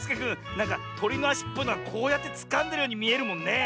なんかとりのあしっぽいのがこうやってつかんでるようにみえるもんねえ。